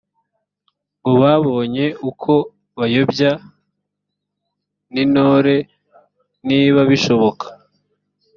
ngo babone uko bayobya n intore niba bishoboka